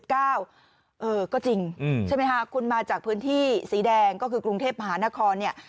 ก็จริงใช่ไหมคะคุณมาจากพื้นที่สีแดงก็คือกรุงเทพมหานครเนี่ย